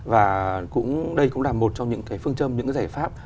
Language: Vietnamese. và đây cũng là một trong những cái phương châm những cái giải pháp